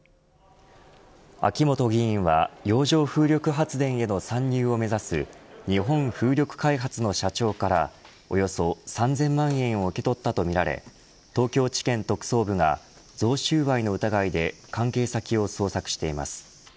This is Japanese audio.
秋本議員は洋上風力発電への参入を目指す日本風力開発の社長からおよそ３０００万円を受け取ったとみられ東京地検特捜部が贈収賄の疑いで関係先を捜索しています。